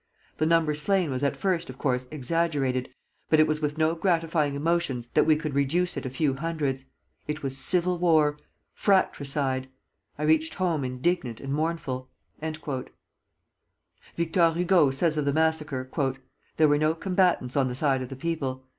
The number slain was at first, of course, exaggerated, but it was with no gratifying emotions that we could reduce it a few hundreds. It was civil war, fratricide. I reached home indignant and mournful." Victor Hugo says of the massacre: "There were no combatants on the side of the people.